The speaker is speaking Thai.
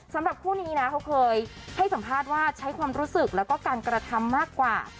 สำหรับคู่นี้นะเขาเคยให้สัมภาษณ์ว่าใช้ความรู้สึกแล้วก็การกระทำมากกว่า